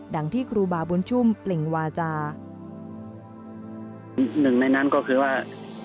ดังที่กรุบาบุญชุมเปล่งวาจา